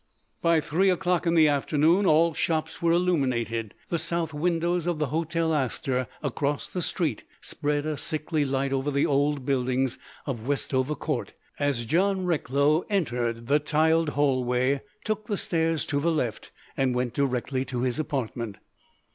By three o'clock in the afternoon all shops were illuminated; the south windows of the Hotel Astor across the street spread a sickly light over the old buildings of Westover Court as John Recklow entered the tiled hallway, took the stairs to the left, and went directly to his apartment.